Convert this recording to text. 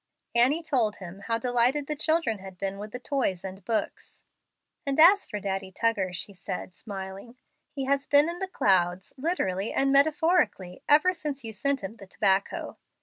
Annie told him how delighted the children had been with the toys and books. "And as for Daddy Tuggar," she said, smiling, "he has been in the clouds, literally and metaphorically, ever since you sent him the tobacco.